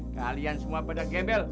kalian semua pada gembel